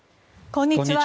こんにちは。